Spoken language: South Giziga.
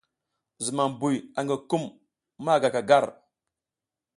Zumam buy angi kum ma gaka gar.